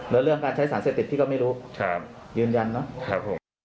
แล้วเรื่องการใช้สารเสพติดพี่ก็ไม่รู้ยืนยันเนาะ